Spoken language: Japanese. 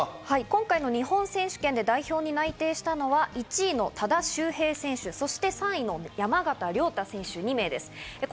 今回の日本選手権で代表に内定したのは１位の多田修平選手、３位の山縣亮太選手、２名です。